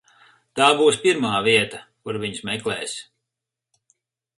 Tā būs pirmā vieta, kur viņus meklēs.